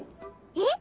えっ？